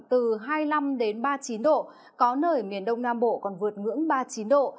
từ hai mươi năm đến ba mươi chín độ có nơi miền đông nam bộ còn vượt ngưỡng ba mươi chín độ